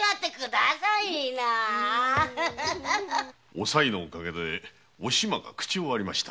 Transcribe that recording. おさいのおかげでお島が口を割りました。